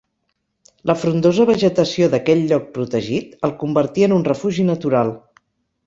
La frondosa vegetació d'aquell lloc protegit el convertia en un refugi natural.